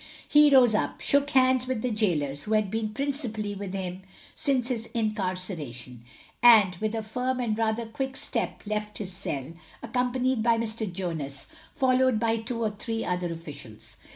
He rose up, shook hands with the gaolers who had been principally with him since his incarceration, and with a firm and rather quick step left his cell, accompanied by Mr. Jonas, followed by two or three other officials.